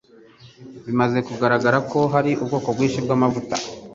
bimaze kugaragara ko hari ubwoko byinshi bw'amavuta